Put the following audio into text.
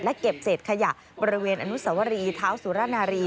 เก็บเศษขยะบริเวณอนุสวรีเท้าสุรนารี